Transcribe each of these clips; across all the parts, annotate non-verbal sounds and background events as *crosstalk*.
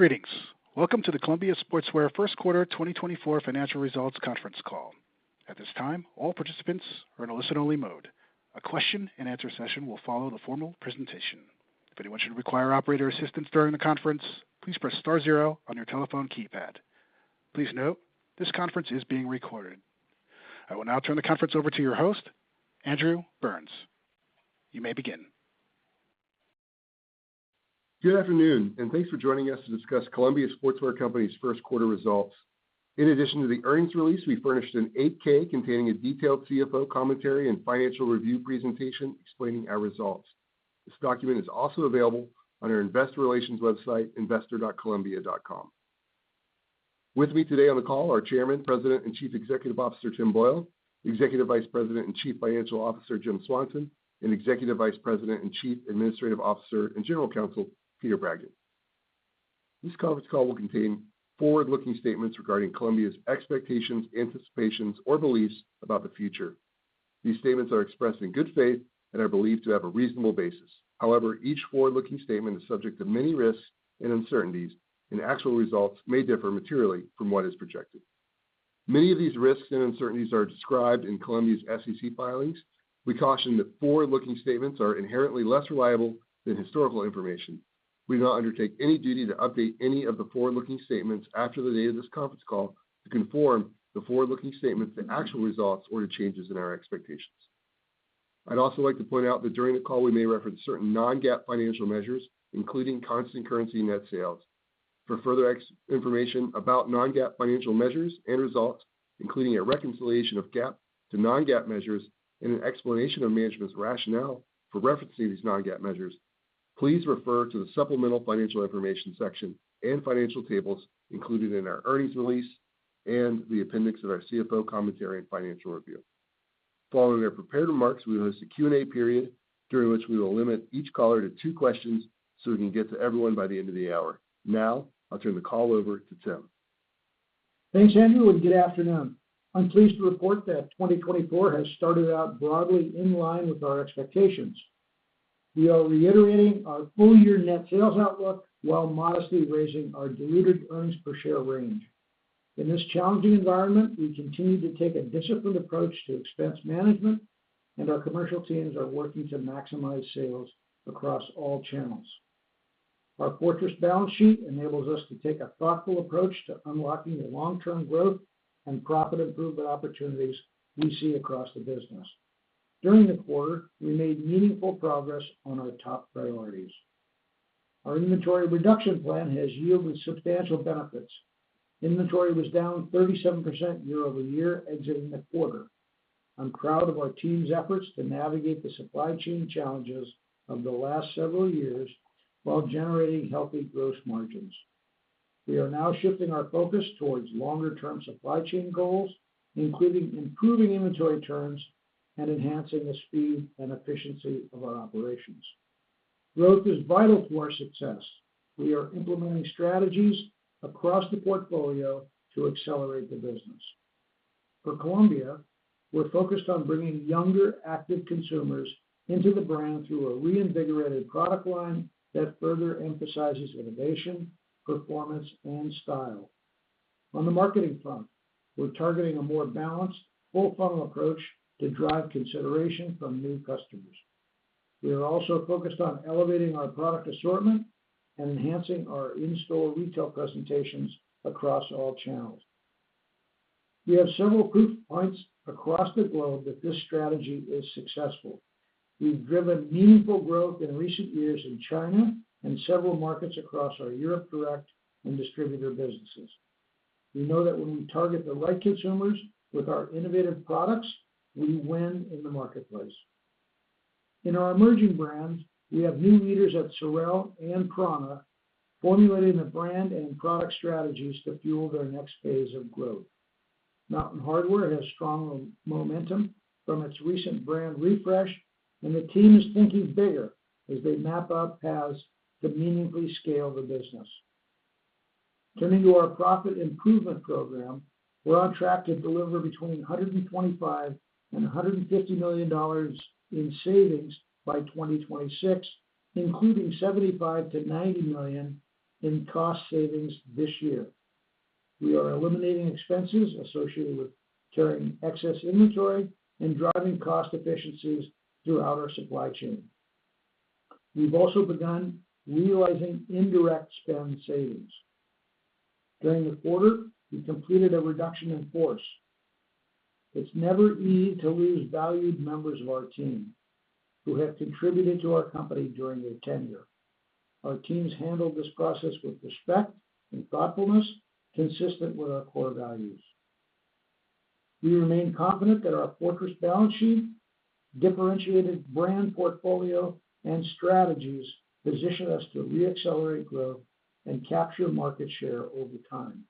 Greetings. Welcome to the Columbia Sportswear Q1 2024 Financial Results Conference Call. At this time, all participants are in a listen-only mode. A question-and-answer session will follow the formal presentation. If anyone should require operator assistance during the conference, please press star zero on your telephone keypad. Please note, this conference is being recorded. I will now turn the conference over to your host, Andrew Burns. You may begin. Good afternoon, and thanks for joining us to discuss Columbia Sportswear Company's Q1 results. In addition to the earnings release, we furnished an 8-K containing a detailed CFO commentary and financial review presentation explaining our results. This document is also available on our investor relations website, investor.columbia.com. With me today on the call are Chairman, President and Chief Executive Officer Tim Boyle, Executive Vice President and Chief Financial Officer Jim Swanson, and Executive Vice President and Chief Administrative Officer and General Counsel Peter Bragdon. This conference call will contain forward-looking statements regarding Columbia's expectations, anticipations, or beliefs about the future. These statements are expressed in good faith and are believed to have a reasonable basis. However, each forward-looking statement is subject to many risks and uncertainties, and actual results may differ materially from what is projected. Many of these risks and uncertainties are described in Columbia's SEC filings. We caution that forward-looking statements are inherently less reliable than historical information. We do not undertake any duty to update any of the forward-looking statements after the date of this conference call to conform the forward-looking statements to actual results or to changes in our expectations. I'd also like to point out that during the call we may reference certain non-GAAP financial measures, including constant currency net sales. For further information about non-GAAP financial measures and results, including a reconciliation of GAAP to non-GAAP measures and an explanation of management's rationale for referencing these non-GAAP measures, please refer to the supplemental financial information section and financial tables included in our earnings release and the appendix of our CFO commentary and financial review. Following our prepared remarks, we will host a Q&A period during which we will limit each caller to two questions so we can get to everyone by the end of the hour. Now I'll turn the call over to Tim. Thanks, Andrew, and good afternoon. I'm pleased to report that 2024 has started out broadly in line with our expectations. We are reiterating our full-year net sales outlook while modestly raising our diluted earnings per share range. In this challenging environment, we continue to take a disciplined approach to expense management, and our commercial teams are working to maximize sales across all channels. Our fortress balance sheet enables us to take a thoughtful approach to unlocking the long-term growth and profit improvement opportunities we see across the business. During the quarter, we made meaningful progress on our top priorities. Our inventory reduction plan has yielded substantial benefits. Inventory was down 37% year-over-year exiting the quarter. I'm proud of our team's efforts to navigate the supply chain challenges of the last several years while generating healthy gross margins. We are now shifting our focus towards longer-term supply chain goals, including improving inventory turns and enhancing the speed and efficiency of our operations. Growth is vital to our success. We are implementing strategies across the portfolio to accelerate the business. For Columbia, we're focused on bringing younger, active consumers into the brand through a reinvigorated product line that further emphasizes innovation, performance, and style. On the marketing front, we're targeting a more balanced, full-funnel approach to drive consideration from new customers. We are also focused on elevating our product assortment and enhancing our in-store retail presentations across all channels. We have several proof points across the globe that this strategy is successful. We've driven meaningful growth in recent years in China and several markets across our Europe Direct and distributor businesses. We know that when we target the right consumers with our innovative products, we win in the marketplace. In our emerging brands, we have new leaders at SOREL and prAna formulating the brand and product strategies to fuel their next phase of growth. Mountain Hardwear has strong momentum from its recent brand refresh, and the team is thinking bigger as they map out paths to meaningfully scale the business. Turning to our profit improvement program, we're on track to deliver between $125 to 150 million in savings by 2026, including $75 to 90 million in cost savings this year. We are eliminating expenses associated with carrying excess inventory and driving cost efficiencies throughout our supply chain. We've also begun realizing indirect spend savings. During the quarter, we completed a reduction in force. It's never easy to lose valued members of our team who have contributed to our company during their tenure. Our teams handled this process with respect and thoughtfulness, consistent with our core values. We remain confident that our fortress balance sheet, differentiated brand portfolio, and strategies position us to reaccelerate growth and capture market share over time.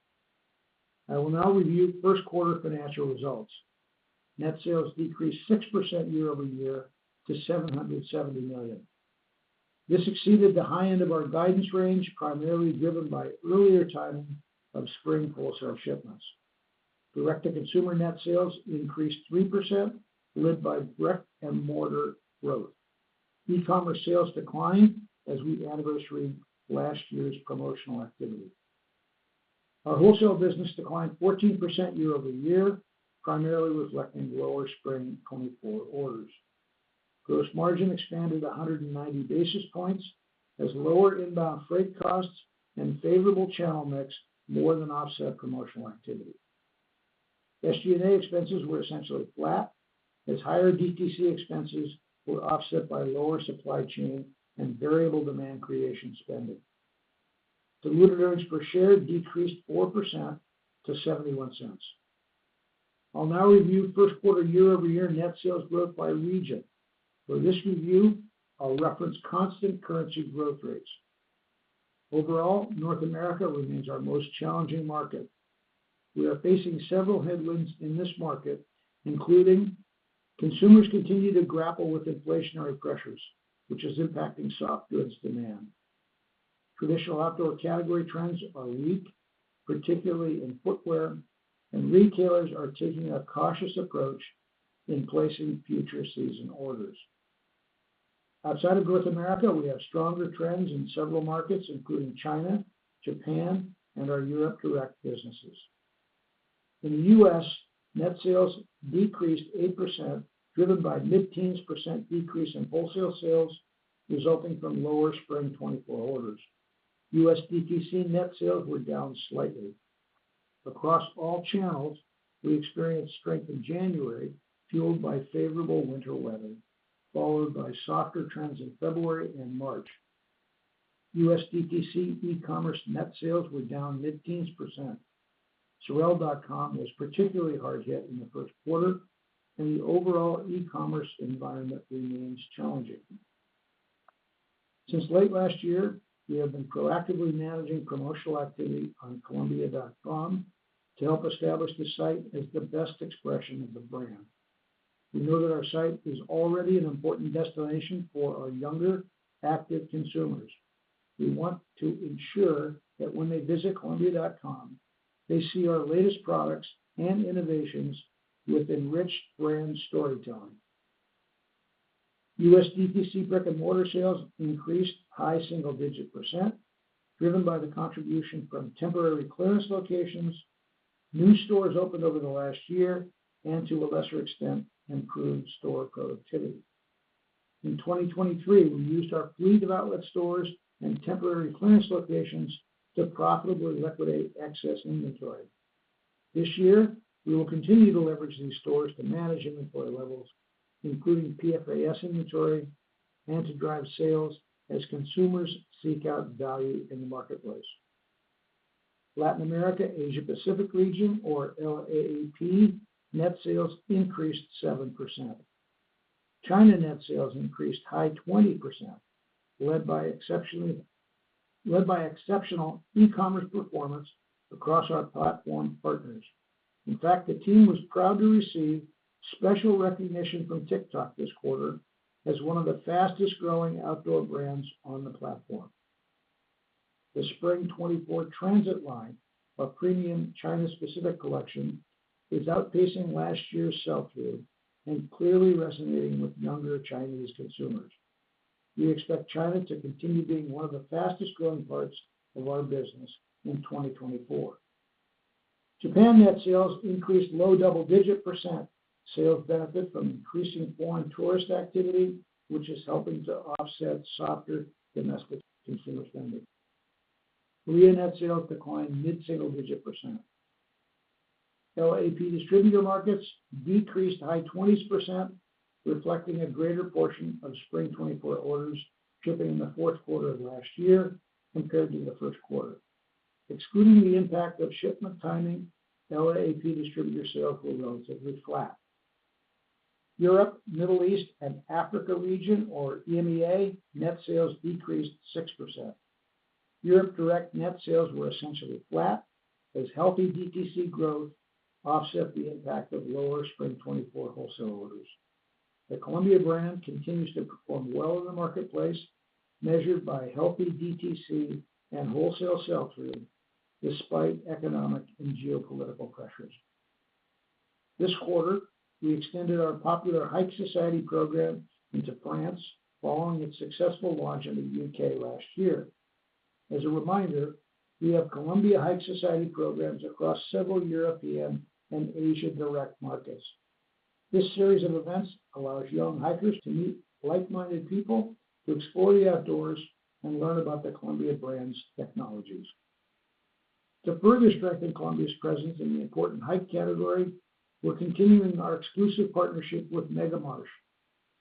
I will now review Q1 financial results. Net sales decreased 6% year-over-year to $770 million. This exceeded the high end of our guidance range, primarily driven by earlier timing of spring wholesale shipments. Direct-to-consumer net sales increased 3%, led by brick-and-mortar growth. E-commerce sales declined as we anniversary last year's promotional activity. Our wholesale business declined 14% year-over-year, primarily reflecting lower Spring '24 orders. Gross margin expanded 190 basis points as lower inbound freight costs and favorable channel mix more than offset promotional activity. SG&A expenses were essentially flat as higher DTC expenses were offset by lower supply chain and variable demand creation spending. Diluted earnings per share decreased 4% to $0.71. I'll now review Q1 year-over-year net sales growth by region. For this review, I'll reference constant currency growth rates. Overall, North America remains our most challenging market. We are facing several headwinds in this market, including: Consumers continue to grapple with inflationary pressures, which is impacting soft goods demand. Traditional outdoor category trends are weak, particularly in footwear, and retailers are taking a cautious approach in placing future season orders. Outside of North America, we have stronger trends in several markets, including China, Japan, and our Europe Direct businesses. In the US, net sales decreased 8%, driven by mid-teens percent decrease in wholesale sales, resulting from lower Spring '24 orders. US DTC net sales were down slightly. Across all channels, we experienced strength in January, fueled by favorable winter weather, followed by softer trends in February and March. US DTC e-commerce net sales were down mid-teens percent. SOREL.com was particularly hard hit in the Q1, and the overall e-commerce environment remains challenging. Since late last year, we have been proactively managing promotional activity on Columbia.com to help establish the site as the best expression of the brand. We know that our site is already an important destination for our younger, active consumers. We want to ensure that when they visit Columbia.com, they see our latest products and innovations with enriched brand storytelling. US DTC brick-and-mortar sales increased high single-digit percent, driven by the contribution from temporary clearance locations, new stores opened over the last year, and to a lesser extent, improved store productivity. In 2023, we used our fleet of outlet stores and temporary clearance locations to profitably liquidate excess inventory. This year, we will continue to leverage these stores to manage inventory levels, including PFAS inventory, and to drive sales as consumers seek out value in the marketplace. Latin America, Asia-Pacific region, or LAAP, net sales increased 7%. China net sales increased high 20%, led by exceptional e-commerce performance across our platform partners. In fact, the team was proud to receive special recognition from TikTok this quarter as one of the fastest-growing outdoor brands on the platform. The Spring '24 Transit line of premium China-specific collection is outpacing last year's sell-through and clearly resonating with younger Chinese consumers. We expect China to continue being one of the fastest-growing parts of our business in 2024. Japan net sales increased low double-digit percent benefited by increasing foreign tourist activity, which is helping to offset softer domestic consumer spending. Korea net sales declined mid-single-digit percent. LAAP distributor markets decreased high 20%, reflecting a greater portion of Spring '24 orders shipping in the Q4 of last year compared to the Q1. Excluding the impact of shipment timing, LAAP distributor sales were relatively flat. Europe, Middle East, and Africa region, or EMEA, net sales decreased 6%. Europe Direct net sales were essentially flat as healthy DTC growth offset the impact of lower Spring '24 wholesale orders. The Columbia brand continues to perform well in the marketplace, measured by healthy DTC and wholesale sell-through despite economic and geopolitical pressures. This quarter, we extended our popular Hike Society program into France following its successful launch in the UK last year. As a reminder, we have Columbia Hike Society programs across several European and Asia Direct markets. This series of events allows young hikers to meet like-minded people to explore the outdoors and learn about the Columbia brand's technologies. To further strengthen Columbia's presence in the important hike category, we're continuing our exclusive partnership with Megamarsch.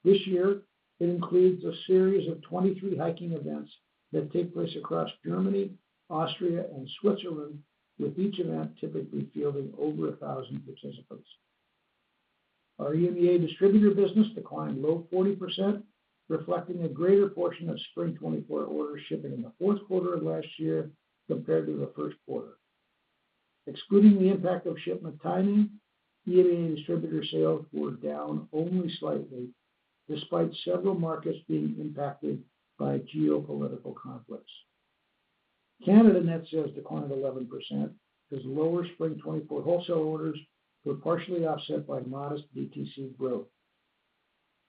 This year, it includes a series of 23 hiking events that take place across Germany, Austria, and Switzerland, with each event typically fielding over 1,000 participants. Our EMEA distributor business declined low 40%, reflecting a greater portion of Spring '24 orders shipping in the Q4 of last year compared to the Q1. Excluding the impact of shipment timing, EMEA distributor sales were down only slightly, despite several markets being impacted by geopolitical conflicts. Canada net sales declined 11% as lower Spring '24 wholesale orders were partially offset by modest DTC growth.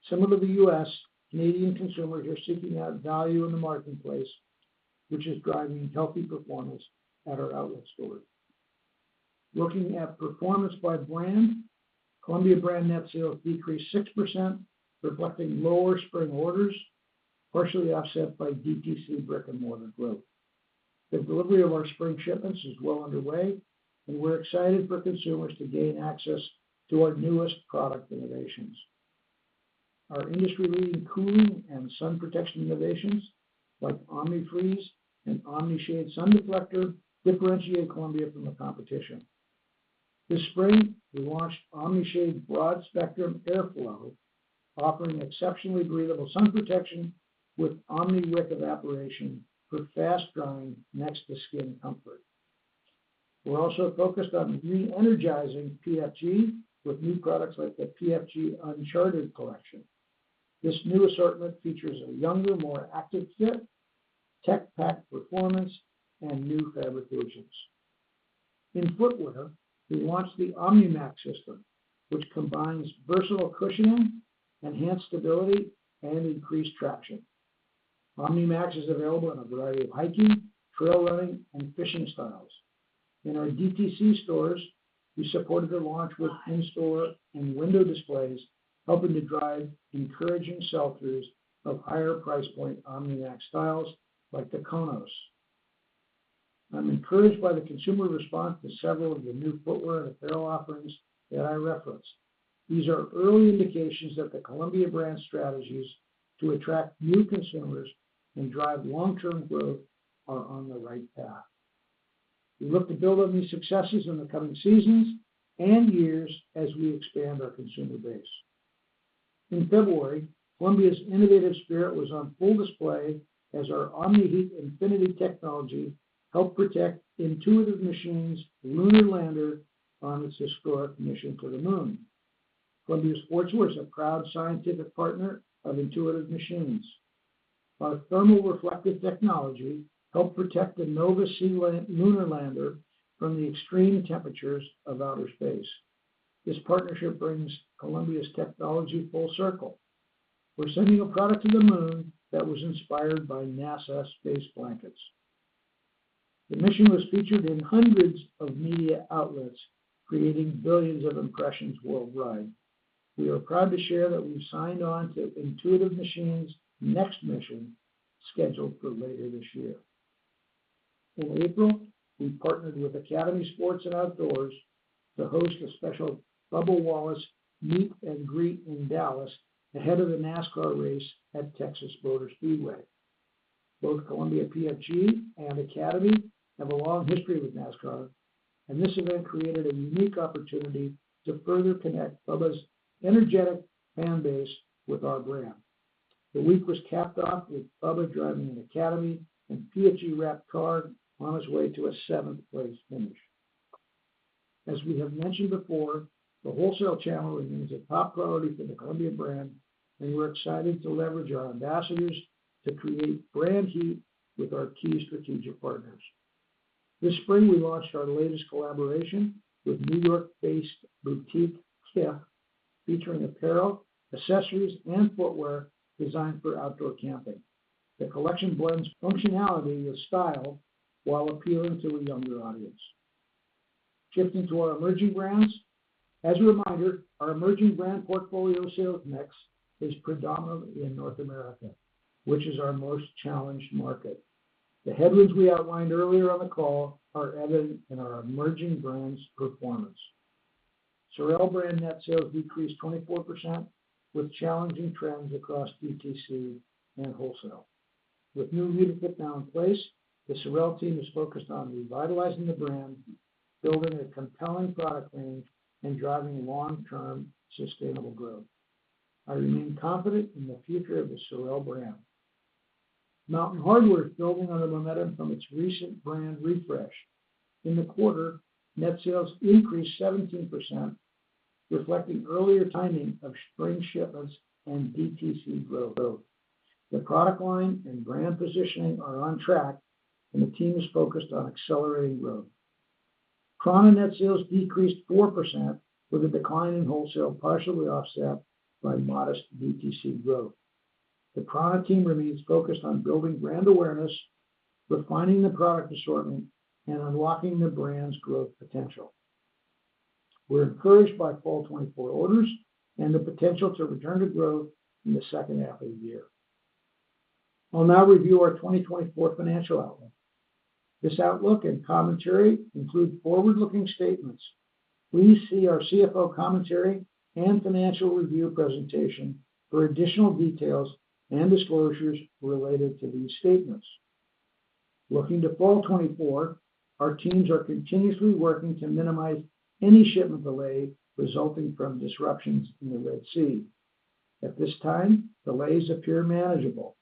Some of the US Canadian consumers are seeking out value in the marketplace, which is driving healthy performance at our outlet stores. Looking at performance by brand, Columbia brand net sales decreased 6%, reflecting lower spring orders, partially offset by DTC brick-and-mortar growth. The delivery of our spring shipments is well underway, and we're excited for consumers to gain access to our newest product innovations. Our industry-leading cooling and sun protection innovations, like Omni-Freeze and Omni-Shade Sun Deflector, differentiate Columbia from the competition. This spring, we launched Omni-Shade Broad Spectrum Airflow, offering exceptionally breathable sun protection with Omni-Wick evaporation for fast-drying next-to-skin comfort. We're also focused on re-energizing PFG with new products like the PFG Uncharted collection. This new assortment features a younger, more active fit, tech-packed performance, and new fabric versions. In footwear, we launched the Omni-MAX system, which combines versatile cushioning, enhanced stability, and increased traction. Omni-MAX is available in a variety of hiking, trail running, and fishing styles. In our DTC stores, we supported the launch with in-store and window displays, helping to drive encouraging sell-throughs of higher price point Omni-MAX styles like the Konos. I'm encouraged by the consumer response to several of the new footwear and apparel offerings that I referenced. These are early indications that the Columbia brand's strategies to attract new consumers and drive long-term growth are on the right path. We look to build on these successes in the coming seasons and years as we expand our consumer base. In February, Columbia's innovative spirit was on full display as our Omni-Heat Infinity technology helped protect Intuitive Machines' lunar lander on its historic mission to the Moon. Columbia Sportswear is a proud scientific partner of Intuitive Machines. Our thermoreflective technology helped protect the Nova-C lunar lander from the extreme temperatures of outer space. This partnership brings Columbia's technology full circle. We're sending a product to the Moon that was inspired by NASA space blankets. The mission was featured in hundreds of media outlets, creating billions of impressions worldwide. We are proud to share that we've signed on to Intuitive Machines' next mission, scheduled for later this year. In April, we partnered with Academy Sports + Outdoors to host the special Bubba Wallace Meet and Greet in Dallas ahead of the NASCAR race at Texas Motor Speedway. Both Columbia PFG and Academy have a long history with NASCAR, and this event created a unique opportunity to further connect Bubba's energetic fanbase with our brand. The week was capped off with Bubba driving an Academy and PFG-wrapped car on his way to a seventh-place finish. As we have mentioned before, the wholesale channel remains a top priority for the Columbia brand, and we're excited to leverage our ambassadors to create brand heat with our key strategic partners. This spring, we launched our latest collaboration with New York-based boutique Kith, featuring apparel, accessories, and footwear designed for outdoor camping. The collection blends functionality with style while appealing to a younger audience. Shifting to our emerging brands. As a reminder, our emerging brand portfolio sales mix is predominantly in North America, which is our most challenged market. The headwinds we outlined earlier on the call are evident in our emerging brands' performance. SOREL brand net sales decreased 24%, with challenging trends across DTC and wholesale. With new leadership now in place, the SOREL team is focused on revitalizing the brand, building a compelling product range, and driving long-term sustainable growth. I remain confident in the future of the SOREL brand. Mountain Hardwear is building on the momentum from its recent brand refresh. In the quarter, net sales increased 17%, reflecting earlier timing of spring shipments and DTC growth. The product line and brand positioning are on track, and the team is focused on accelerating growth. prAna net sales decreased 4%, with a decline in wholesale partially offset by modest DTC growth. The prAna team remains focused on building brand awareness, refining the product assortment, and unlocking the brand's growth potential. We're encouraged by fall 2024 orders and the potential to return to growth in the H2 of the year. I'll now review our 2024 financial outlook. This outlook and commentary include forward-looking statements. Please see our CFO commentary and financial review presentation for additional details and disclosures related to these statements. Looking to fall 2024, our teams are continuously working to minimize any shipment delay resulting from disruptions in the Red Sea. At this time, delays appear manageable.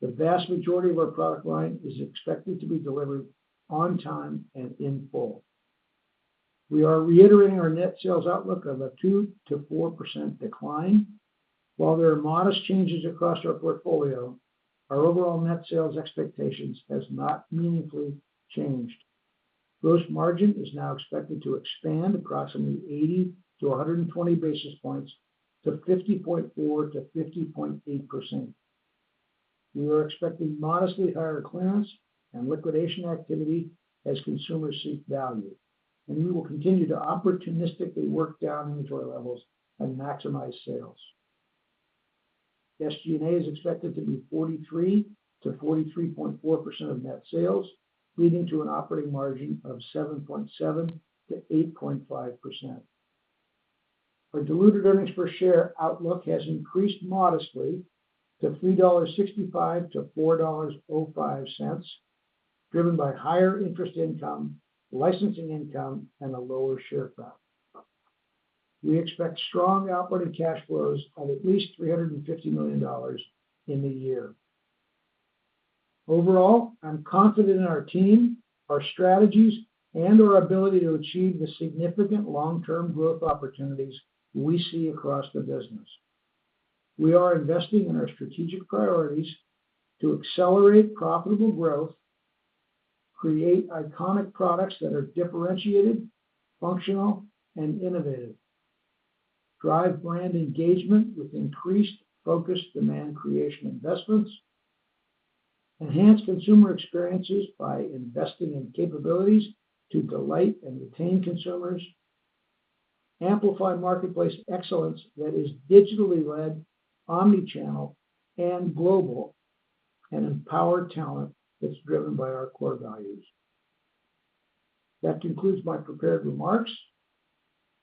The vast majority of our product line is expected to be delivered on time and in full. We are reiterating our net sales outlook of a 2% to 4% decline. While there are modest changes across our portfolio, our overall net sales expectations have not meaningfully changed. Gross margin is now expected to expand approximately 80 to 120 basis points to 50.4% to 50.8%. We are expecting modestly higher clearance and liquidation activity as consumers seek value, and we will continue to opportunistically work down inventory levels and maximize sales. SG&A is expected to be 43% to 43.4% of net sales, leading to an operating margin of 7.7% to 8.5%. Our diluted earnings per share outlook has increased modestly to $3.65 to $4.05, driven by higher interest income, licensing income, and a lower share cap. We expect strong operating cash flows of at least $350 million in the year. Overall, I'm confident in our team, our strategies, and our ability to achieve the significant long-term growth opportunities we see across the business. We are investing in our strategic priorities to accelerate profitable growth, create iconic products that are differentiated, functional, and innovative, drive brand engagement with increased focused demand creation investments, enhance consumer experiences by investing in capabilities to delight and retain consumers, amplify marketplace excellence that is digitally led, omnichannel, and global, and empower talent that's driven by our core values. That concludes my prepared remarks.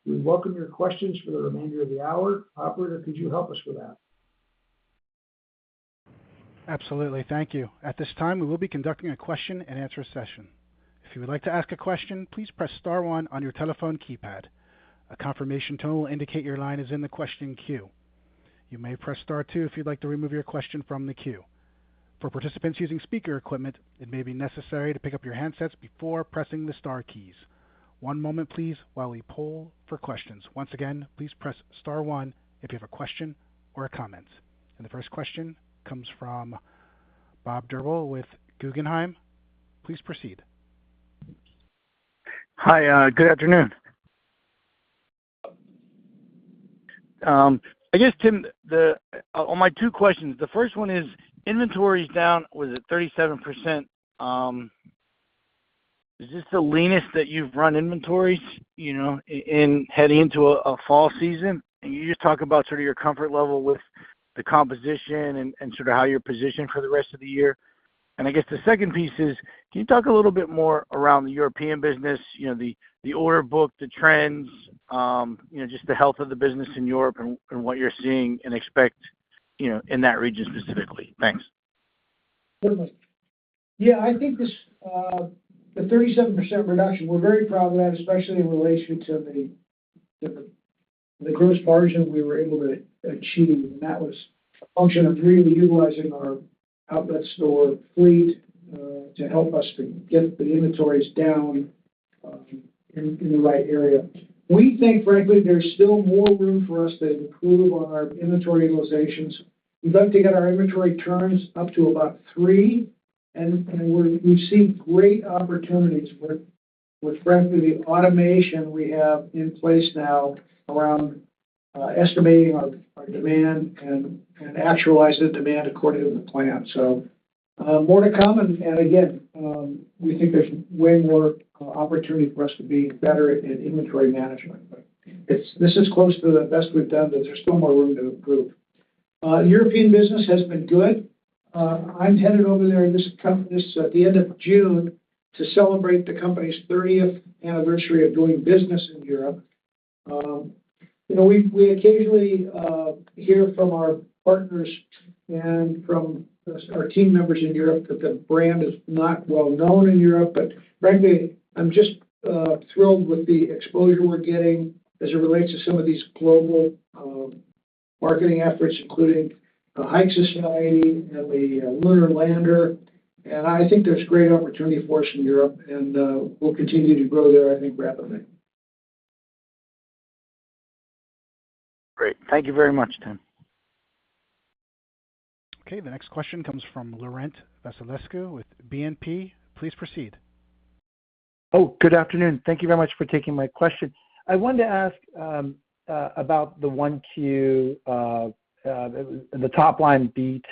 We welcome your questions for the remainder of the hour. Operator, could you help us with that? Absolutely, thank you. At this time, we will be conducting a question-and-answer session. If you would like to ask a question, please press star one on your telephone keypad. A confirmation tone will indicate your line is in the question queue. You may press star two if you'd like to remove your question from the queue. For participants using speaker equipment, it may be necessary to pick up your handsets before pressing the star keys. One moment, please, while we pull for questions. Once again, please press star one if you have a question or a comment. The first question comes from Bob Drbul with Guggenheim. Please proceed. Hi, good afternoon. I guess, Tim, on my two questions, the first one is inventory is down, was it 37%? Is this the leanest that you've run inventories heading into a fall season? You just talked about sort of your comfort level with the composition and sort of how you're positioned for the rest of the year. I guess the second piece is, can you talk a little bit more around the European business, the order book, the trends, just the health of the business in Europe and what you're seeing and expect in that region specifically? Thanks. Yeah, I think the 37% reduction, we're very proud of that, especially in relation to the gross margin we were able to achieve. And that was a function of really utilizing our outlet store fleet to help us get the inventories down in the right area. We think, frankly, there's still more room for us to improve on our inventory utilizations. We'd like to get our inventory turns up to about three, and we've seen great opportunities with, frankly, the automation we have in place now around estimating our demand and actualizing the demand according to the plan. More to come. Again, we think there's way more opportunity for us to be better at inventory management. This is close to the best we've done, but there's still more room to improve. European business has been good. I'm headed over there at the end of June to celebrate the company's 30th anniversary of doing business in Europe. We occasionally hear from our partners and from our team members in Europe that the brand is not well known in Europe. But frankly, I'm just thrilled with the exposure we're getting as it relates to some of these global marketing efforts, including Hike Society and the lunar lander. And I think there's great opportunity for us in Europe, and we'll continue to grow there, I think, rapidly. Great. Thank you very much, Tim. Okay, the next question comes from Laurent Vasilescu with BNP. Please proceed. Oh, good afternoon. Thank you very much for taking my question. I wanted to ask about the Q1, the top line beat.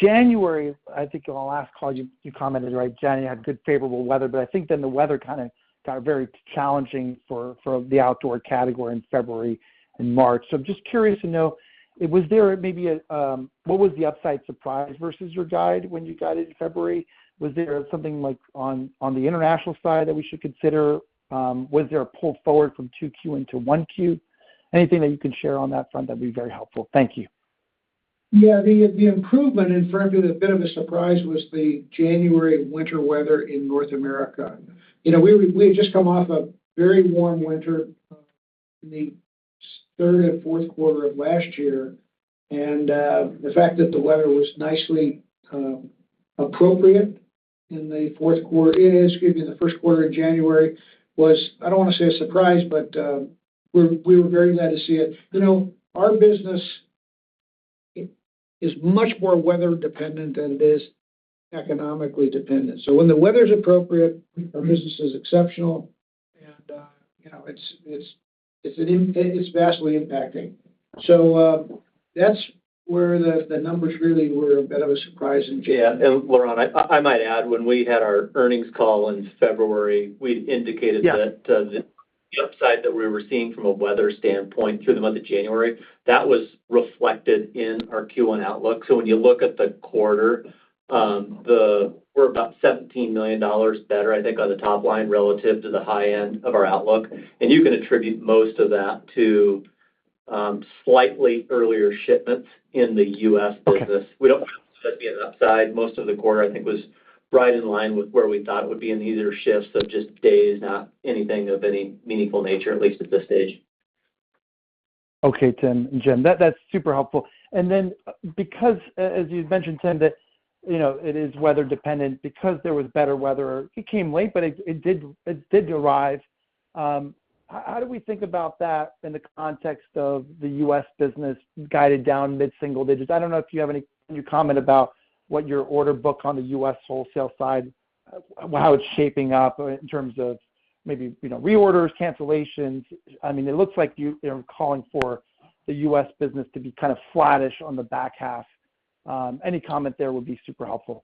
January, I think on the last call, you commented, right? January, you had good favorable weather, but I think then the weather kind of got very challenging for the outdoor category in February and March. So I'm just curious to know, was there maybe what was the upside surprise versus your guide when you guided in February? Was there something on the international side that we should consider? Was there a pull forward from Q2 into Q1? Anything that you can share on that front that'd be very helpful. Thank you. Yeah, the improvement, and frankly, a bit of a surprise, was the January winter weather in North America. We had just come off a very warm winter in the Q3 and Q4 of last year. And the fact that the weather was nicely appropriate in the Q4, excuse me, in the Q1 January was, I don't want to say a surprise, but we were very glad to see it. Our business is much more weather-dependent than it is economically dependent. So when the weather's appropriate, our business is exceptional, and it's vastly impacting. So that's where the numbers really were a bit of a surprise in January. Yeah. And Laurent, I might add. When we had our earnings call in February, we'd indicated that the upside that we were seeing from a weather standpoint through the month of January, that was reflected in our Q1 outlook. So when you look at the quarter, we're about $17 million better, I think, on the top line relative to the high end of our outlook. You can attribute most of that to slightly earlier shipments in the US business. We don't see that being an upside. Most of the quarter, I think, was right in line with where we thought it would be in either shifts of just days, not anything of any meaningful nature, at least at this stage. Okay, Tim and Jim, that's super helpful. Then, as you'd mentioned, Tim, that it is weather-dependent because there was better weather. It came late, but it did arrive. How do we think about that in the context of the US business guided down mid-single digits? I don't know if you have any comment about what your order book on the US wholesale side, how it's shaping up in terms of maybe reorders, cancellations. I mean, it looks like you're calling for the US business to be kind of flattish on the back half. Any comment there would be super helpful.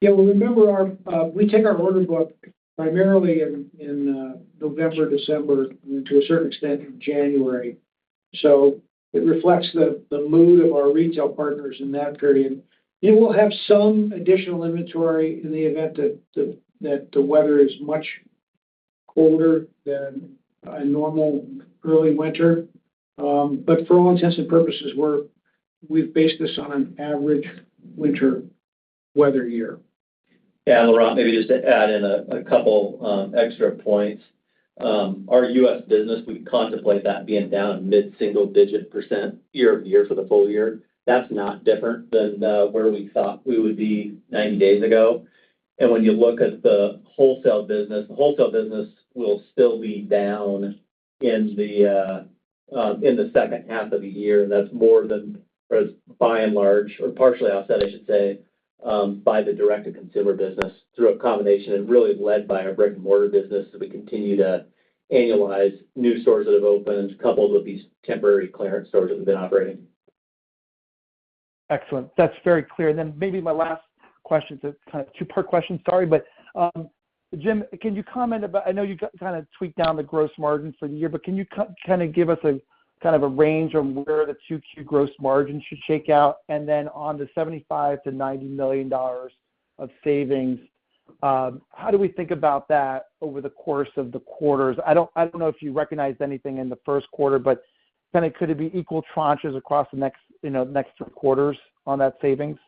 Yeah, well, remember, we take our order book primarily in November, December, and to a certain extent in January. So it reflects the mood of our retail partners in that period. We'll have some additional inventory in the event that the weather is much colder than a normal early winter. But for all intents and purposes, we've based this on an average winter weather year. Yeah, Laurent, maybe just to add in a couple extra points. Our US business, we contemplate that being down a mid-single-digit percent year-over-year for the full year. That's not different than where we thought we would be 90 days ago. When you look at the wholesale business, the wholesale business will still be down in the H2 of the year. That's more than, by and large or partially offset, I should say, by the direct-to-consumer business through a combination and really led by our brick-and-mortar business as we continue to annualize new stores that have opened coupled with these temporary clearance stores that have been operating. Excellent. That's very clear. Then maybe my last question is a kind of two-part question, sorry. But Jim, can you comment about I know you kind of tweaked down the gross margin for the year, but can you kind of give us a kind of a range on where the Q2 gross margin should shake out? And then on the $75 to 90 million of savings, how do we think about that over the course of the quarters? I don't know if you recognized anything in the Q1, but kind of could it be equal tranches across the next three quarters on that savings?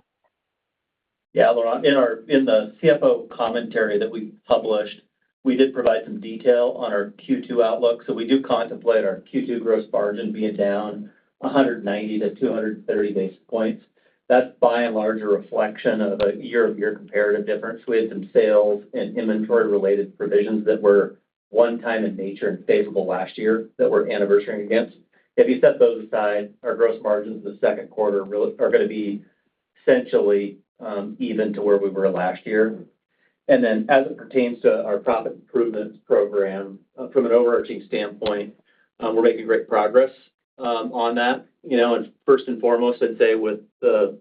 Yeah, Laurent, in the CFO commentary that we published, we did provide some detail on our Q2 outlook. So we do contemplate our Q2 gross margin being down 190 to 230 basis points. That's, by and large, a reflection of a year-over-year comparative difference. We had some sales and inventory-related provisions that were one-time in nature and favorable last year that we're anniversary against. If you set those aside, our gross margins in the Q2 are going to be essentially even to where we were last year. And then as it pertains to our profit improvement program, from an overarching standpoint, we're making great progress on that. And first and foremost, I'd say with the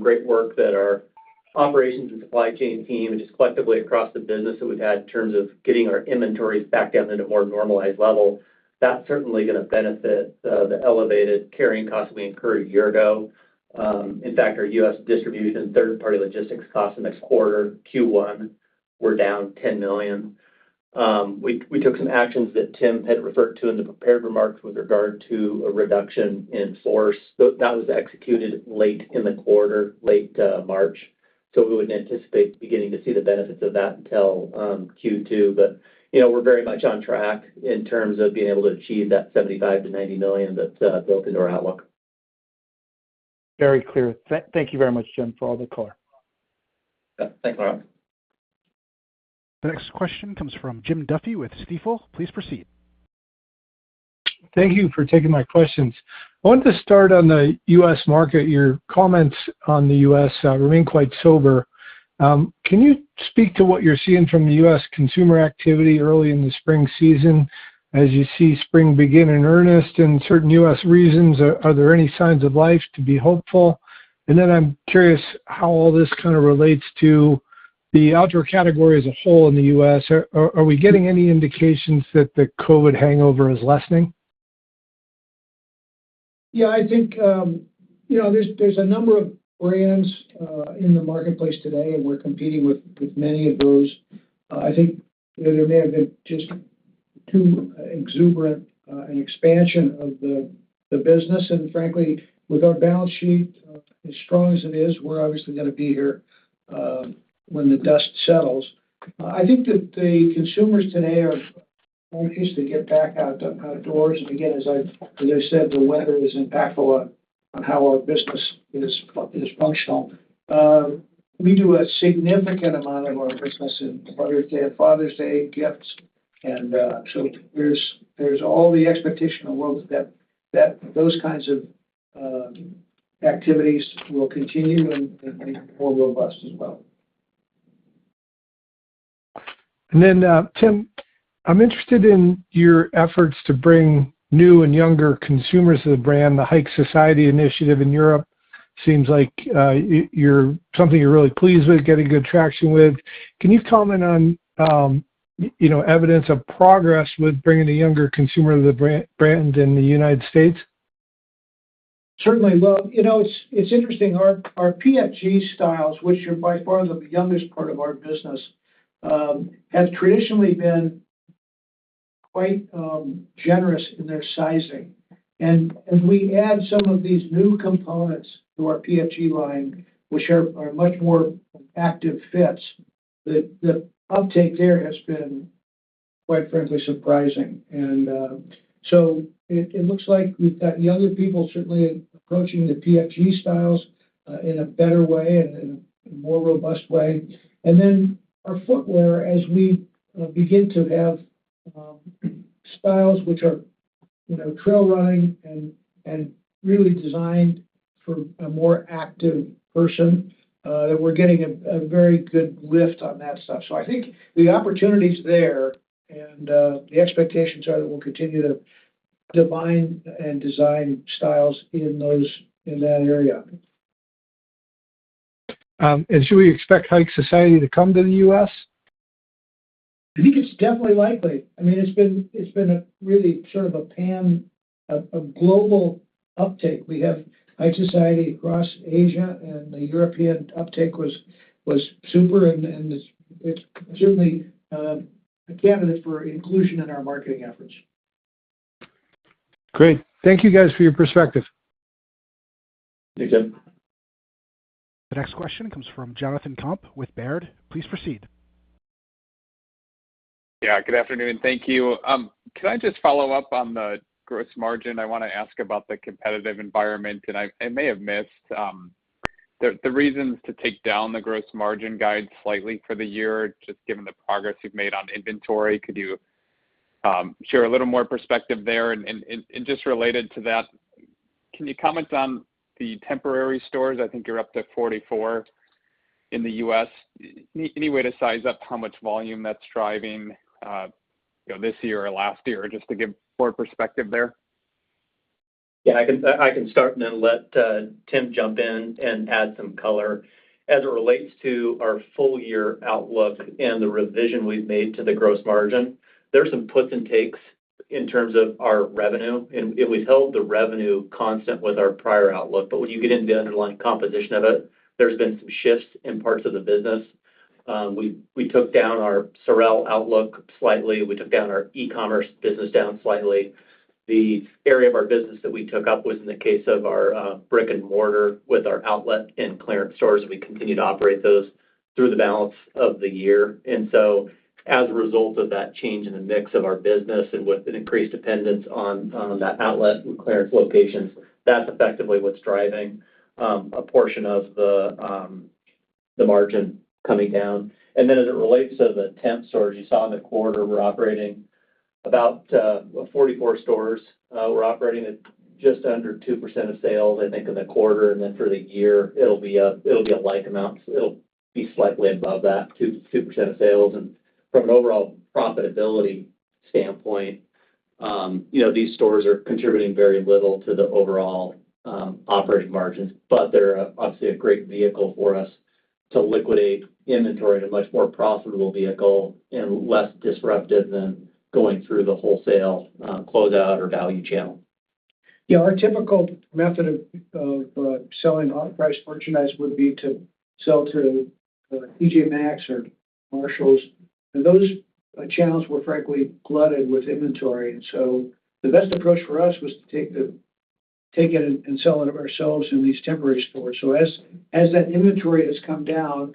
great work that our operations and supply chain team and just collectively across the business that we've had in terms of getting our inventories back down into a more normalized level, that's certainly going to benefit the elevated carrying costs that we incurred a year ago. In fact, our US distribution third-party logistics costs the next quarter, Q1, were down $10 million. We took some actions that Tim had referred to in the prepared remarks with regard to a reduction in force. That was executed late in the quarter, late March. So we wouldn't anticipate beginning to see the benefits of that until Q2. But we're very much on track in terms of being able to achieve that $75 to 90 million that's built into our outlook. Very clear. Thank you very much, Jim, for all the color. Thanks, Laurent. The next question comes from Jim Duffy with Stifel. Please proceed. Thank you for taking my questions. I wanted to start on the US market. Your comments on the US remain quite sober. Can you speak to what you're seeing from the US consumer activity early in the spring season? As you see spring begin in earnest in certain US regions, are there any signs of life to be hopeful? And then I'm curious how all this kind of relates to the outdoor category as a whole in the US Are we getting any indications that the COVID hangover is lessening? Yeah, I think there's a number of brands in the marketplace today, and we're competing with many of those. I think there may have been just too exuberant an expansion of the business. Frankly, with our balance sheet as strong as it is, we're obviously going to be here when the dust settles. I think that the consumers today are hopeless to get back outdoors. Again, as I said, the weather is impactful on how our business is functional. We do a significant amount of our business in Mother's Day, Father's Day, gifts. So there's all the expectation in the world that those kinds of activities will continue and be more robust as well. Then, Tim, I'm interested in your efforts to bring new and younger consumers to the brand. The Hike Society initiative in Europe seems like something you're really pleased with, getting good traction with. Can you comment on evidence of progress with bringing a younger consumer to the brand in the United States? Certainly. Well, it's interesting. Our PFG styles, which are by far the youngest part of our business, have traditionally been quite generous in their sizing. And we add some of these new components to our PFG line, which are much more active fits. The uptake there has been, quite frankly, surprising. And so it looks like we've got younger people certainly approaching the PFG styles in a better way and in a more robust way. And then our footwear, as we begin to have styles which are trail running and really designed for a more active person, that we're getting a very good lift on that stuff. So I think the opportunity's there, and the expectations are that we'll continue to define and design styles in that area. And should we expect Hike Society to come to the US? I think it's definitely likely. I mean, it's been really sort of a global uptake. We have Hike Society across Asia, and the European uptake was super. And it's certainly a candidate for inclusion in our marketing efforts. Great. Thank you, guys, for your perspective. Thank you, Tim. The next question comes from Jonathan Komp with Baird. Please proceed. Yeah, good afternoon. Thank you. Can I just follow up on the gross margin? I want to ask about the competitive environment. And I may have missed the reasons to take down the gross margin guide slightly for the year, just given the progress you've made on inventory. Could you share a little more perspective there? And just related to that, can you comment on the temporary stores? I think you're up to 44 in the US. Any way to size up how much volume that's driving this year or last year, just to give more perspective there? Yeah, I can start and then let Tim jump in and add some color. As it relates to our full-year outlook and the revision we've made to the gross margin, there are some puts and takes in terms of our revenue. We've held the revenue constant with our prior outlook. But when you get into the underlying composition of it, there's been some shifts in parts of the business. We took down our SOREL outlook slightly. We took down our e-commerce business down slightly. The area of our business that we took up was in the case of our brick-and-mortar with our outlet and clearance stores. We continue to operate those through the balance of the year. And so as a result of that change in the mix of our business and with an increased dependence on that outlet and clearance locations, that's effectively what's driving a portion of the margin coming down. And then as it relates to the temp stores, you saw in the quarter, we're operating about 44 stores. We're operating at just under 2% of sales, I think, in the quarter. And then for the year, it'll be a like amount. It'll be slightly above that, 2% of sales. And from an overall profitability standpoint, these stores are contributing very little to the overall operating margins. But they're obviously a great vehicle for us to liquidate inventory in a much more profitable vehicle and less disruptive than going through the wholesale closeout or value channel. Yeah, our typical method of selling off-price merchandise would be to sell to T.J. Maxx or Marshalls. And those channels were, frankly, flooded with inventory. And so the best approach for us was to take it and sell it ourselves in these temporary stores. So as that inventory has come down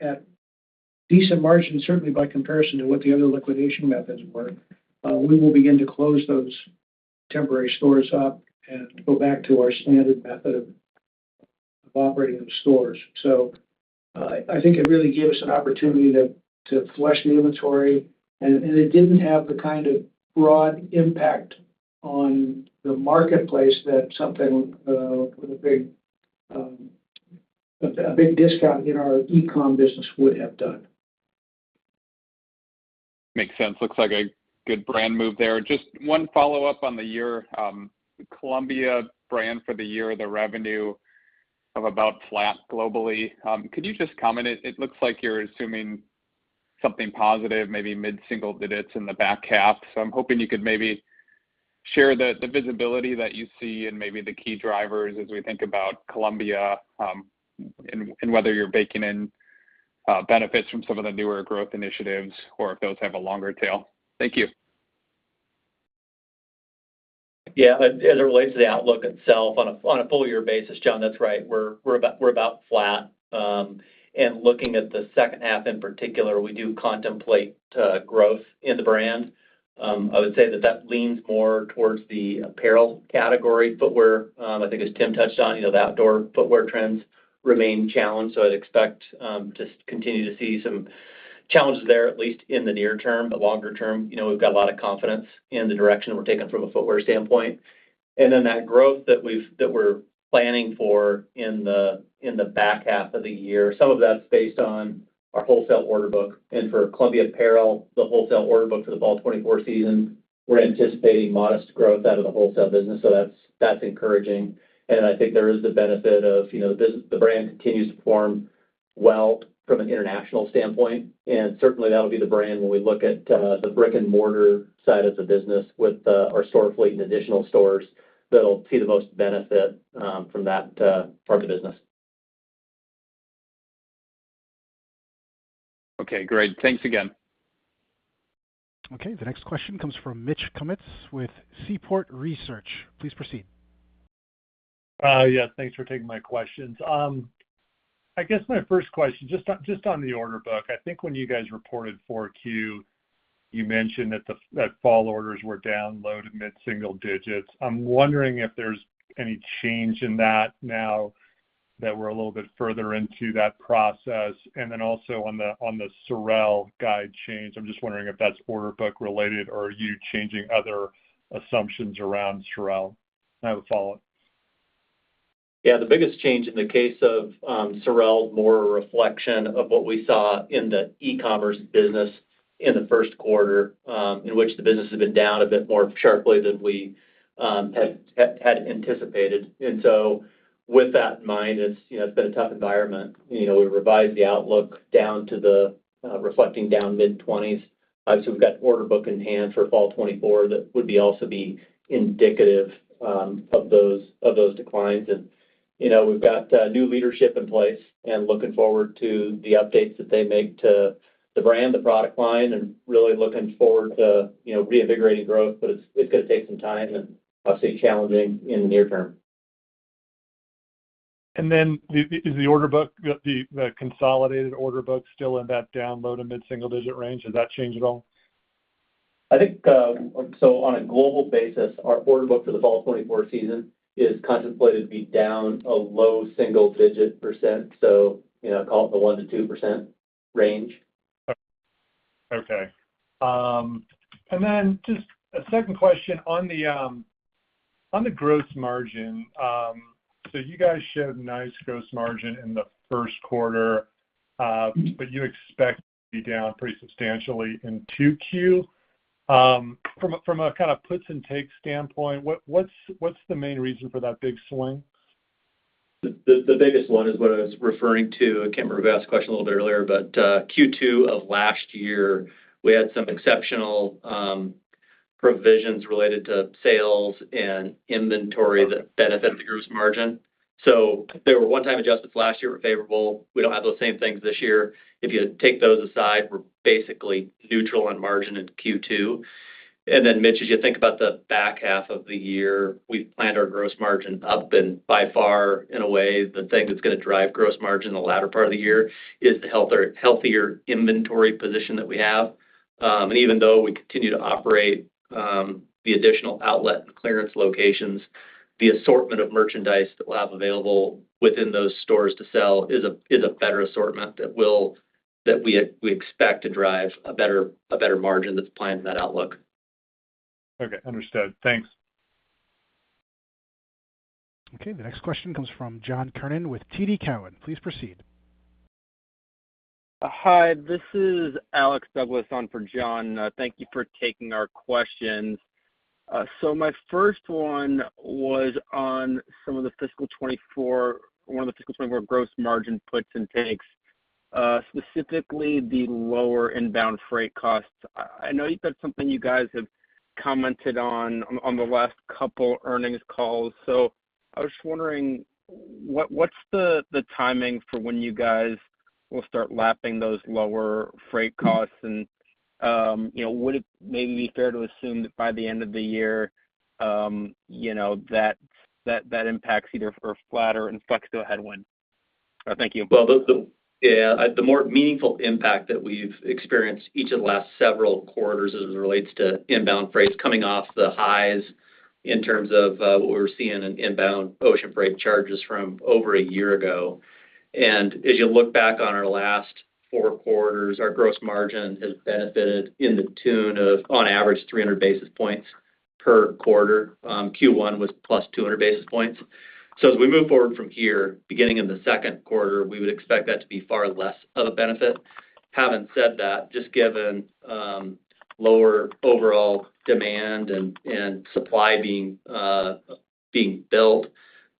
at decent margins, certainly by comparison to what the other liquidation methods were, we will begin to close those temporary stores up and go back to our standard method of operating those stores. So I think it really gave us an opportunity to flush the inventory. And it didn't have the kind of broad impact on the marketplace that something with a big discount in our e-comm business would have done. Makes sense. Looks like a good brand move there. Just one follow-up on the year. Columbia brand for the year, the revenue of about flat globally. Could you just comment? It looks like you're assuming something positive, maybe mid-single digits in the back half. So I'm hoping you could maybe share the visibility that you see and maybe the key drivers as we think about Columbia and whether you're baking in benefits from some of the newer growth initiatives or if those have a longer tail. Thank you. Yeah, as it relates to the outlook itself, on a full-year basis, Jon, that's right. We're about flat. Looking at the H2 in particular, we do contemplate growth in the brand. I would say that that leans more towards the apparel category footwear. I think, as Tim touched on, the outdoor footwear trends remain challenged. So I'd expect to continue to see some challenges there, at least in the near term. But longer term, we've got a lot of confidence in the direction we're taking from a footwear standpoint. And then that growth that we're planning for in the back half of the year, some of that's based on our wholesale order book. And for Columbia Apparel, the wholesale order book for the fall 2024 season, we're anticipating modest growth out of the wholesale business. So that's encouraging. And I think there is the benefit of the brand continues to perform well from an international standpoint. And certainly, that'll be the brand when we look at the brick-and-mortar side of the business with our store fleet and additional stores that'll see the most benefit from that part of the business. Okay, great. Thanks again. Okay, the next question comes from Mitch Kummetz with Seaport Research Partners. Please proceed. Yeah, thanks for taking my questions. I guess my first question, just on the order book, I think when you guys reported Q4, you mentioned that fall orders were down low mid-single digits. I'm wondering if there's any change in that now that we're a little bit further into that process. And then also on the SOREL guidance change, I'm just wondering if that's order book related or are you changing other assumptions around SOREL? I have a follow-up. Yeah, the biggest change in the case of SOREL is more a reflection of what we saw in the e-commerce business in the Q1, in which the business has been down a bit more sharply than we had anticipated. And so with that in mind, it's been a tough environment. We revised the outlook down to reflecting down mid-20s. Obviously, we've got order book in hand for fall 2024 that would also be indicative of those declines. We've got new leadership in place and looking forward to the updates that they make to the brand, the product line, and really looking forward to reinvigorating growth. It's going to take some time and obviously challenging in the near term. Then is the consolidated order book still in that down low mid-single-digit range? Does that change at all? On a global basis, our order book for the fall 2024 season is contemplated to be down a low single-digit percent. I call it the 1% to 2% range. Okay. Then just a second question on the gross margin. You guys showed nice gross margin in the Q1, but you expect to be down pretty substantially in Q2. From a kind of puts-and-takes standpoint, what's the main reason for that big swing? The biggest one is what I was referring to. I can't remember if I asked the question a little bit earlier, but Q2 of last year, we had some exceptional provisions related to sales and inventory that benefited the gross margin. So there were one-time adjustments last year that were favorable. We don't have those same things this year. If you take those aside, we're basically neutral on margin in Q2. And then, Mitch, as you think about the back half of the year, we've planned our gross margin up. And by far, in a way, the thing that's going to drive gross margin in the latter part of the year is the healthier inventory position that we have. Even though we continue to operate the additional outlet and clearance locations, the assortment of merchandise that we'll have available within those stores to sell is a better assortment that we expect to drive a better margin that's applied in that outlook. Okay, understood. Thanks. Okay, the next question comes from John Kernan with TD Cowen. Please proceed. Hi, this is Alex Douglas on for John. Thank you for taking our questions. So my first one was on some of the fiscal 2024 gross margin puts and takes, specifically the lower inbound freight costs. I know that's something you guys have commented on the last couple earnings calls. So I was just wondering, what's the timing for when you guys will start lapping those lower freight costs? Would it maybe be fair to assume that by the end of the year, that impacts either are flatter and flex to a headwind? Thank you. Well, yeah, the more meaningful impact that we've experienced each of the last several quarters as it relates to inbound freight is coming off the highs in terms of what we were seeing in inbound ocean freight charges from over a year ago. As you look back on our last four quarters, our gross margin has benefited in the tune of, on average, 300 basis points per quarter. Q1 was +200 basis points. As we move forward from here, beginning in the Q2, we would expect that to be far less of a benefit. Having said that, just given lower overall demand and supply being built,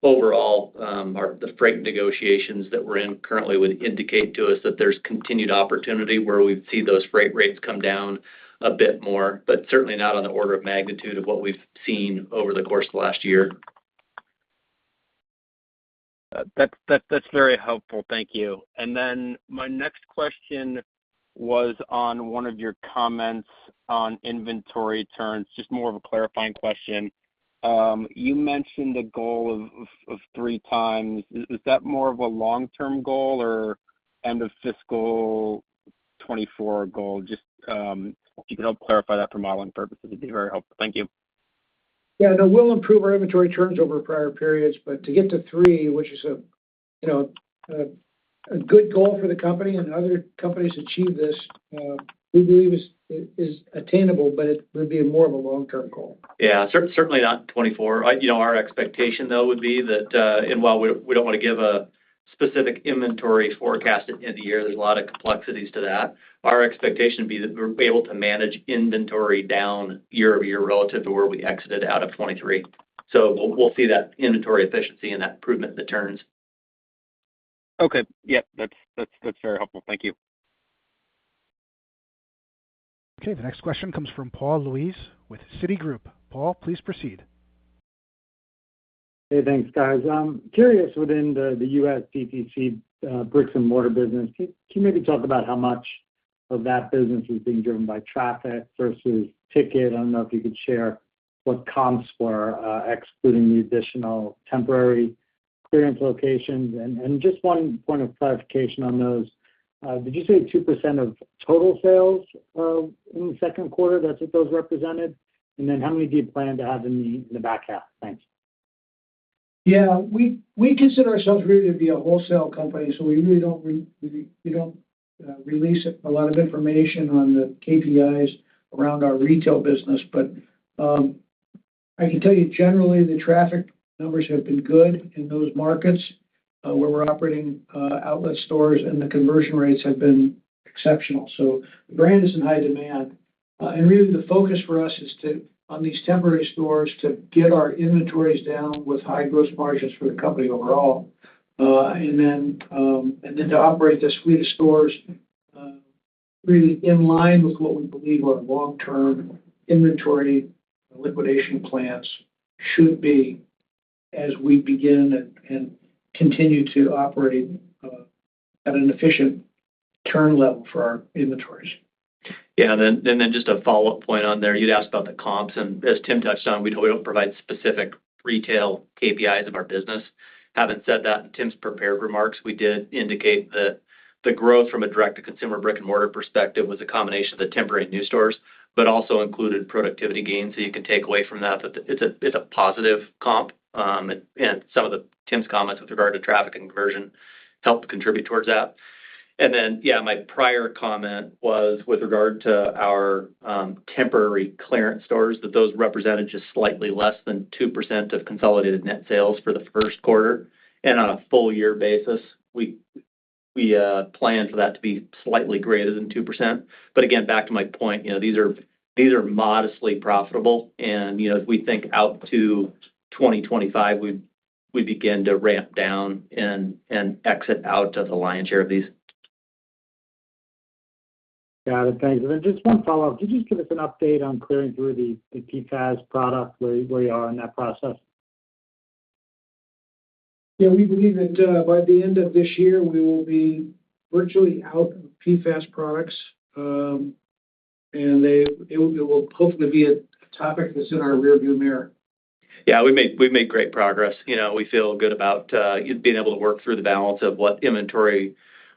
overall, the freight negotiations that we're in currently would indicate to us that there's continued opportunity where we've seen those freight rates come down a bit more, but certainly not on the order of magnitude of what we've seen over the course of the last year. That's very helpful. Thank you. And then my next question was on one of your comments on inventory turns, just more of a clarifying question. You mentioned a goal of three times. Is that more of a long-term goal or end-of-fiscal 2024 goal? If you could help clarify that for modeling purposes, it'd be very helpful. Thank you. Yeah, no, we'll improve our inventory turns over prior periods. But to get to three, which is a good goal for the company and other companies achieve this, we believe is attainable, but it would be more of a long-term goal. Yeah, certainly not 2024. Our expectation, though, would be that and while we don't want to give a specific inventory forecast at the end of the year, there's a lot of complexities to that. Our expectation would be that we're able to manage inventory down year-over-year relative to where we exited out of 2023. So we'll see that inventory efficiency and that improvement in the turns. Okay. Yeah, that's very helpful. Thank you. Okay, the next question comes from Paul Lejuez with Citigroup. Paul, please proceed. Hey, thanks, guys. Curious, within the US DTC brick-and-mortar business, can you maybe talk about how much of that business is being driven by traffic versus ticket? I don't know if you could share what comps were, excluding the additional temporary clearance locations? Just one point of clarification on those. Did you say 2% of total sales in the Q2? That's what those represented. Then how many do you plan to have in the back half? Thanks. Yeah, we consider ourselves really to be a wholesale company. So we really don't release a lot of information on the KPIs around our retail business. But I can tell you, generally, the traffic numbers have been good in those markets where we're operating outlet stores, and the conversion rates have been exceptional. So the brand is in high demand. Really, the focus for us is on these temporary stores to get our inventories down with high gross margins for the company overall and then to operate this suite of stores really in line with what we believe our long-term inventory liquidation plans should be as we begin and continue to operate at an efficient turn level for our inventories. Yeah, and then just a follow-up point on there. You'd asked about the comps. As Tim touched on, we don't provide specific retail KPIs of our business. Having said that, in Tim's prepared remarks, we did indicate that the growth from a direct-to-consumer brick-and-mortar perspective was a combination of the temporary new stores but also included productivity gains. You can take away from that that it's a positive comp. Some of Tim's comments with regard to traffic and conversion helped contribute towards that. Yeah, my prior comment was with regard to our temporary clearance stores, that those represented just slightly less than 2% of consolidated net sales for the Q1. On a full-year basis, we plan for that to be slightly greater than 2%. But again, back to my point, these are modestly profitable. And if we think out to 2025, we'd begin to ramp down and exit out of the lion's share of these. Got it. Thanks. And then just one follow-up. Could you just give us an update on clearing through the PFAS product, where you are in that process? Yeah, we believe that by the end of this year, we will be virtually out of PFAS products. And it will hopefully be a topic that's in our rearview mirror. Yeah, we've made great progress. We feel good about being able to work through the balance of what inventory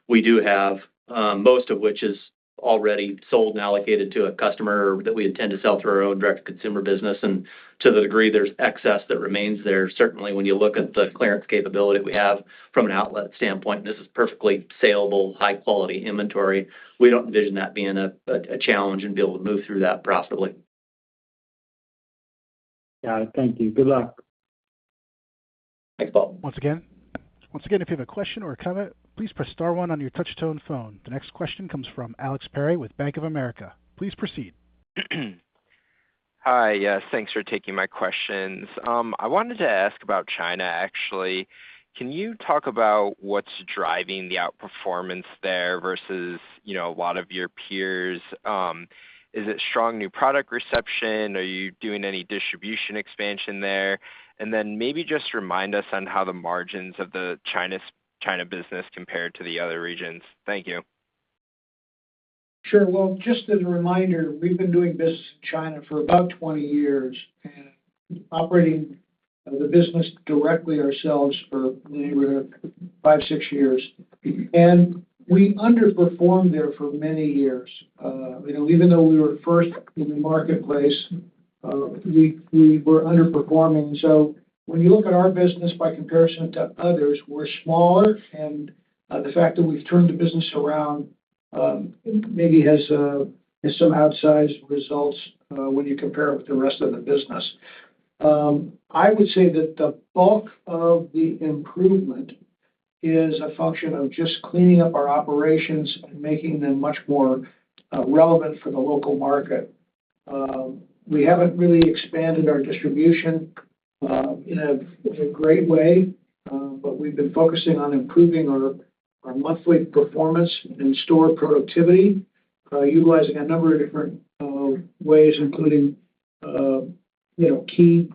we do have, most of which is already sold and allocated to a customer that we intend to sell through our own direct-to-consumer business. And to the degree there's excess that remains there, certainly when you look at the clearance capability we have from an outlet standpoint, and this is perfectly saleable, high-quality inventory, we don't envision that being a challenge and be able to move through that profitably. Got it. Thank you. Good luck. Thanks, Paul. Once again, if you have a question or a comment, please press star one on your touch-tone phone. The next question comes from Alex Perry with Bank of America. Please proceed. Hi. Yes, thanks for taking my questions. I wanted to ask about China, actually. Can you talk about what's driving the outperformance there versus a lot of your peers? Is it strong new product reception? Are you doing any distribution expansion there? And then maybe just remind us on how the margins of the China business compared to the other regions. Thank you. Sure. Well, just as a reminder, we've been doing business in China for about 20 years and operating the business directly ourselves for *inaudible* five to six years. And we underperformed there for many years. Even though we were first in the marketplace, we were underperforming. So when you look at our business by comparison to others, we're smaller. And the fact that we've turned the business around maybe has some outsized results when you compare it with the rest of the business. I would say that the bulk of the improvement is a function of just cleaning up our operations and making them much more relevant for the local market. We haven't really expanded our distribution in a great way, but we've been focusing on improving our monthly performance and store productivity utilizing a number of different ways, including key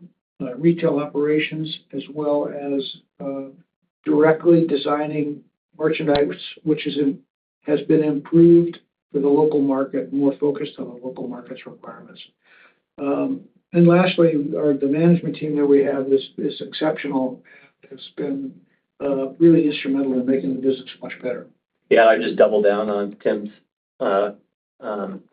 retail operations as well as directly designing merchandise, which has been improved for the local market, more focused on the local market's requirements. Lastly, the management team that we have is exceptional and has been really instrumental in making the business much better. Yeah, I'd just double down on Tim's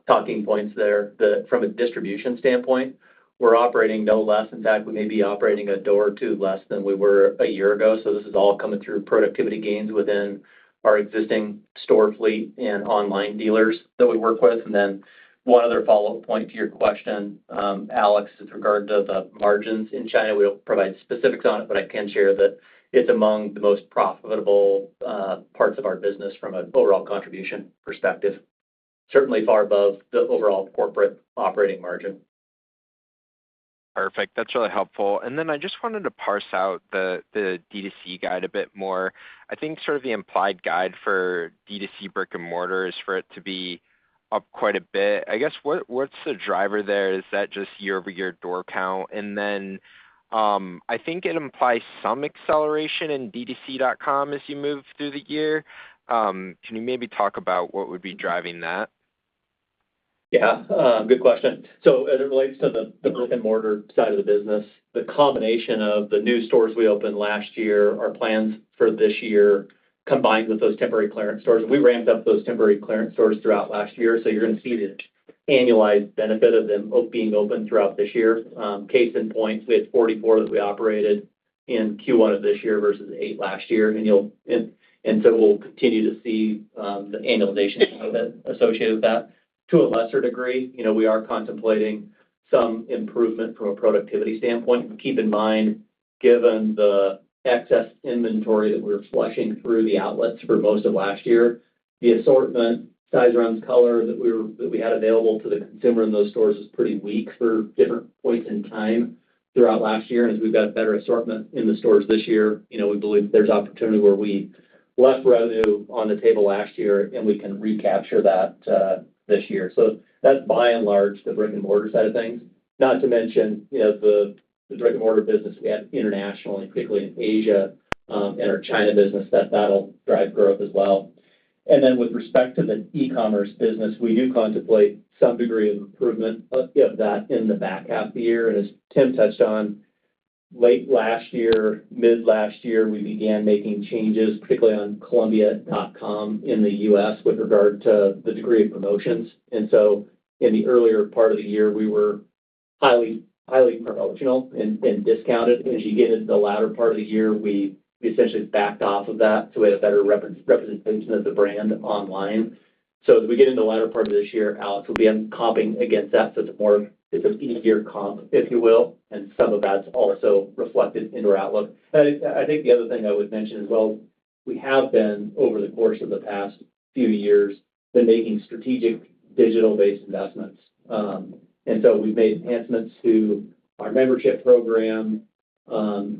talking points there. From a distribution standpoint, we're operating no less. In fact, we may be operating a door or two less than we were a year ago. So this is all coming through productivity gains within our existing store fleet and online dealers that we work with. And then one other follow-up point to your question, Alex, with regard to the margins in China, we don't provide specifics on it, but I can share that it's among the most profitable parts of our business from an overall contribution perspective, certainly far above the overall corporate operating margin. Perfect. That's really helpful. And then I just wanted to parse out the DTC guide a bit more. I think sort of the implied guide for DTC brick-and-mortar is for it to be up quite a bit. I guess what's the driver there? Is that just year-over-year door count? And then I think it implies some acceleration in dtc.com as you move through the year. Can you maybe talk about what would be driving that? Yeah, good question. As it relates to the brick-and-mortar side of the business, the combination of the new stores we opened last year, our plans for this year combined with those temporary clearance stores, and we ramped up those temporary clearance stores throughout last year. You're going to see the annualized benefit of them being open throughout this year. Case in point, we had 44 that we operated in Q1 of this year versus eight last year. We'll continue to see the annualization benefit associated with that. To a lesser degree, we are contemplating some improvement from a productivity standpoint. Keep in mind, given the excess inventory that we were flushing through the outlets for most of last year, the assortment, size, runs, color that we had available to the consumer in those stores was pretty weak for different points in time throughout last year. And as we've got a better assortment in the stores this year, we believe there's opportunity where we left revenue on the table last year, and we can recapture that this year. So that's, by and large, the brick-and-mortar side of things, not to mention the brick-and-mortar business we have internationally, particularly in Asia and our China business, that that'll drive growth as well. And then with respect to the e-commerce business, we do contemplate some degree of improvement of that in the back half of the year. And as Tim touched on, late last year, mid last year, we began making changes, particularly on Columbia.com in the US with regard to the degree of promotions. And so in the earlier part of the year, we were highly promotional and discounted. As you get into the latter part of the year, we essentially backed off of that so we had a better representation of the brand online. So as we get into the latter part of this year, Alex, we'll be comping against that. So it's an easier comp, if you will. And some of that's also reflected in our outlook. I think the other thing I would mention as well, we have been, over the course of the past few years, making strategic digital-based investments. So we've made enhancements to our membership program.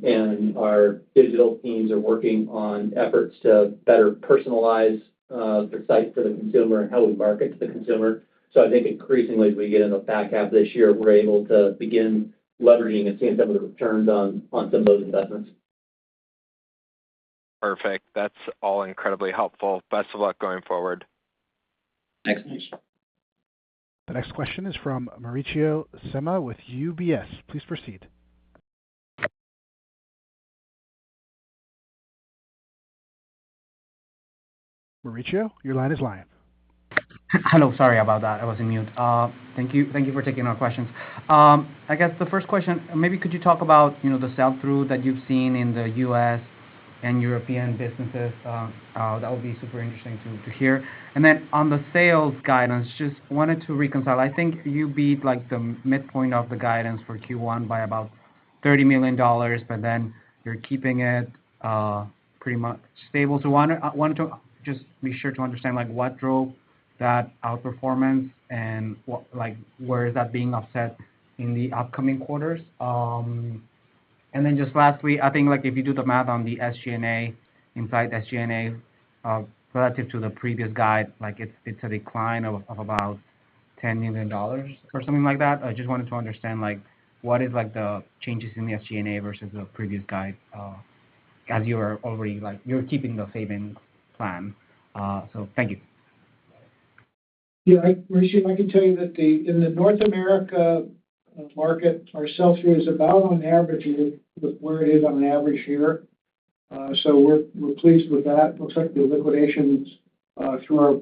And our digital teams are working on efforts to better personalize the site for the consumer and how we market to the consumer. So I think increasingly, as we get into the back half of this year, we're able to begin leveraging and seeing some of the returns on some of those investments. Perfect. That's all incredibly helpful. Best of luck going forward. Thanks. The next question is from Mauricio Serna with UBS. Please proceed. Mauricio, your line is live. Hello. Sorry about that. I was in mute. Thank you for taking our questions. I guess the first question, maybe could you talk about the sell-through that you've seen in the US and European businesses? That would be super interesting to hear. And then on the sales guidance, just wanted to reconcile. I think you beat the midpoint of the guidance for Q1 by about $30 million, but then you're keeping it pretty much stable. So I wanted to just be sure to understand what drove that outperformance and where is that being offset in the upcoming quarters. And then just lastly, I think if you do the math on the SG&A, inside SG&A, relative to the previous guide, it's a decline of about $10 million or something like that. I just wanted to understand what are the changes in the SG&A versus the previous guide as you're keeping the savings plan. So thank you. Yeah, Mauricio, I can tell you that in the North America market, our sell-through is about on average with where it is on average here. So we're pleased with that. Looks like the liquidations through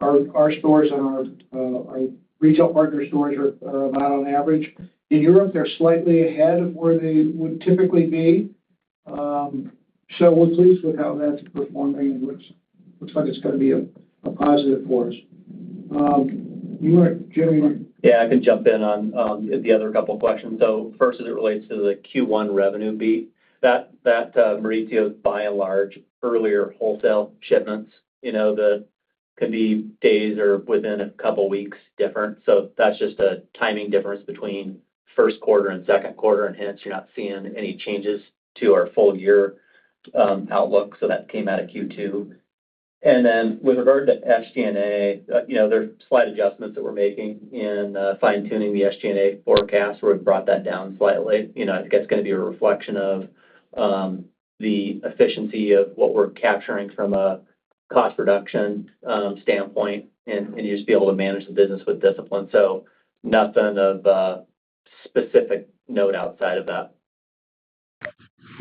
our stores and our retail partner stores are about on average. In Europe, they're slightly ahead of where they would typically be. So we're pleased with how that's performing. And looks like it's going to be a positive for us. You want to, Jim? Yeah, I can jump in on the other couple of questions. So first, as it relates to the Q1 revenue beat that Mauricio's, by and large, earlier wholesale shipments that can be days or within a couple of weeks different. So that's just a timing difference between Q1 and Q2. And hence, you're not seeing any changes to our full-year outlook. So that came out of Q2. And then with regard to SG&A, there are slight adjustments that we're making in fine-tuning the SG&A forecast where we've brought that down slightly. I think that's going to be a reflection of the efficiency of what we're capturing from a cost reduction standpoint and just be able to manage the business with discipline. So nothing of a specific note outside of that.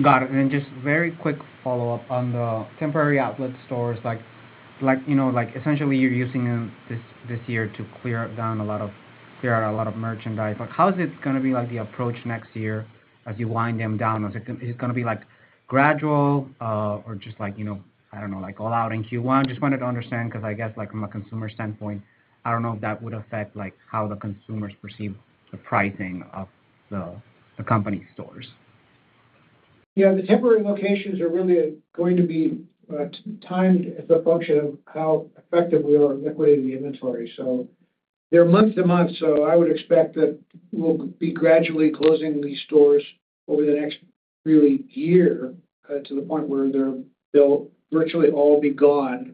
Got it. And then just very quick follow-up on the temporary outlet stores. Essentially, you're using them this year to clear out a lot of merchandise. How is it going to be the approach next year as you wind them down? Is it going to be gradual or just, I don't know, all out in Q1? Just wanted to understand because I guess from a consumer standpoint, I don't know if that would affect how the consumers perceive the pricing of the company's stores. Yeah, the temporary locations are really going to be timed as a function of how effective we are at liquidating the inventory. So they're month to month. So I would expect that we'll be gradually closing these stores over the next really year to the point where they'll virtually all be gone.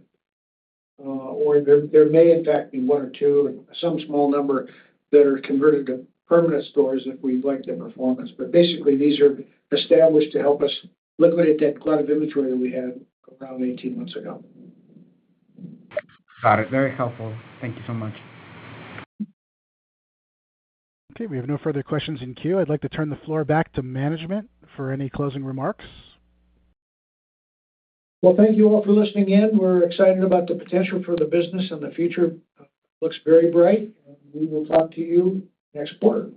Or there may, in fact, be one or two, some small number that are converted to permanent stores if we like their performance. But basically, these are established to help us liquidate that glut of inventory that we had around 18 months ago. Got it. Very helpful. Thank you so much. Okay. We have no further questions in queue. I'd like to turn the floor back to management for any closing remarks. Well, thank you all for listening in. We're excited about the potential for the business and the future looks very bright. We will talk to you next quarter.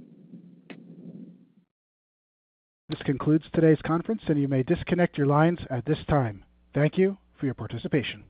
This concludes today's conference, and you may disconnect your lines at this time. Thank you for your participation.